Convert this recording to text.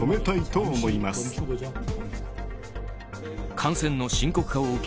感染の深刻化を受け